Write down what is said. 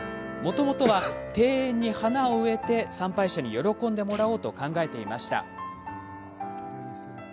もともとは庭園に花を植え参拝者に喜んでもらおうと考えていました。